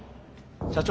社長